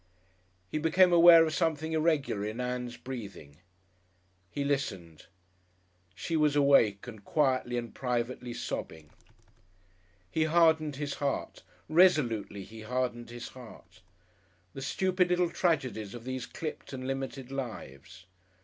He became aware of something irregular in Ann's breathing.... He listened. She was awake and quietly and privately sobbing! He hardened his heart; resolutely he hardened his heart. The stupid little tragedies of these clipped and limited lives!